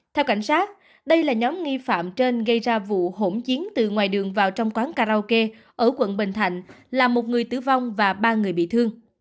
theo cảnh sát đây là nhóm nghi phạm trên gây ra vụ hỗn chiến từ ngoài đường vào trong quán karaoke ở quận bình thạnh làm một người tử vong và ba người bị thương